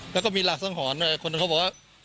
แล้วก็มีหลักซ่องหอนคนเขาบอกว่า